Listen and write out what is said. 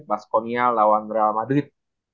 baskonia lawan real madrid